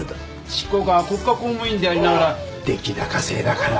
執行官は国家公務員でありながら出来高制だから。